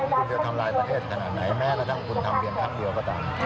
คุณจะทำลายประเทศขนาดไหนแม้กระทั่งคุณทำเพียงครั้งเดียวก็ตาม